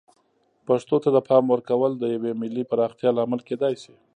پښتو ته د پام ورکول د یوې ملي پراختیا لامل کیدای شي.